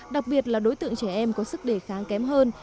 đặc biệt là đối tượng trẻ em có sức đề kháng kém hơn